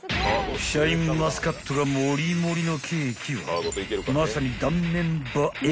［シャインマスカットがもりもりのケーキはまさに］